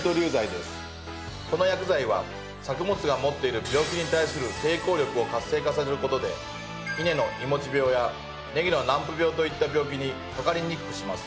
この薬剤は作物が持っている病気に対する抵抗力を活性化させる事で稲のいもち病やネギの軟腐病といった病気にかかりにくくします。